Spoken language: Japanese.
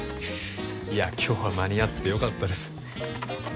いや今日は間に合ってよかったです。